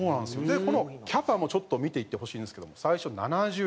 でこのキャパもちょっと見ていってほしいんですけども最初７０人。